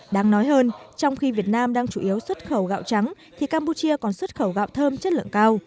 đáng nói hơn trong khi việt nam đang chủ yếu xuất khẩu gạo trắng thì campuchia còn xuất khẩu gạo thơm chất lượng cao